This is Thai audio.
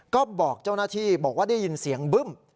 ก็บอกเจ้าหน้าที่บอกว่าได้ยินเสียงบึ้ม